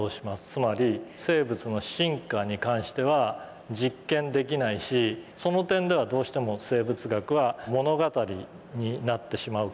つまり生物の進化に関しては実験できないしその点ではどうしても生物学は物語になってしまう。